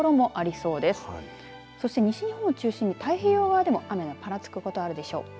そして西日本を中心に太平洋側でも雨がぱらつくことがあるでしょう。